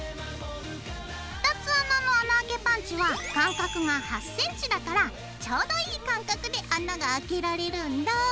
２つ穴の穴あけパンチは間隔が８ｃｍだからちょうどいい間隔で穴があけられるんだあ。